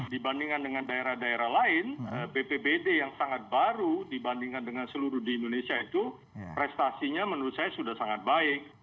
dibandingkan dengan daerah daerah lain bpbd yang sangat baru dibandingkan dengan seluruh di indonesia itu prestasinya menurut saya sudah sangat baik